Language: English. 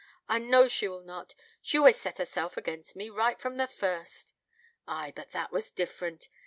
I know she will not... She always set herself against me, right from the first.' 'Ay, but that was different.